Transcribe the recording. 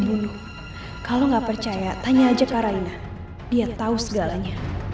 sampai jumpa isi dalem electro nederland